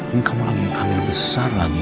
ini kamu lagi hamil besar lagi